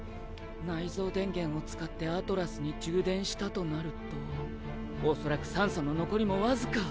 内蔵電源を使ってアトラスに充電したとなると恐らく酸素の残りもわずか。